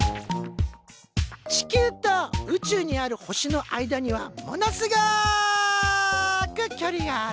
地球と宇宙にある星の間にはものすごく距離がある。